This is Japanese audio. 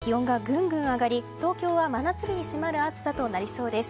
気温がぐんぐん上がり東京は真夏日に迫る暑さとなりそうです。